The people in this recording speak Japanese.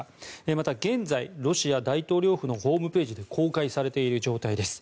また現在、ロシア大統領府のホームページで公開されている状態です。